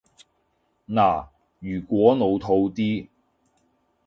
嗱，如果老套啲